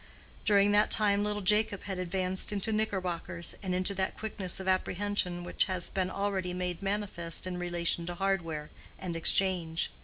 During that time little Jacob had advanced into knickerbockers, and into that quickness of apprehension which has been already made manifest in relation to hardware and exchange.